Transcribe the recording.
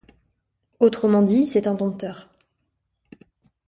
Autrement dit, c'est un dompteur.